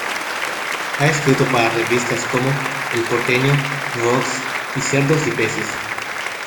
Ha escrito para revistas como "El porteño", "Vox" y "Cerdos y Peces".